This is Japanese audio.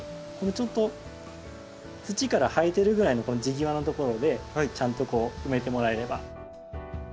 ちょっと土から生えてるぐらいの地際のところでちゃんとこう埋めてもらえれば。